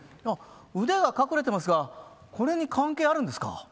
腕が隠れてますがこれに関係あるんですか？